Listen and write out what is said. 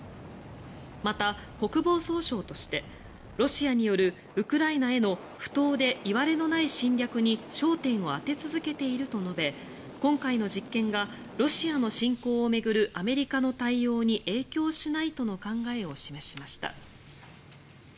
また、国防総省としてロシアによるウクライナへの不当でいわれのない侵略に焦点を当て続けていると述べ今回の実験がロシアの侵攻を巡るアメリカの対応に影響しないとの考えを示しました。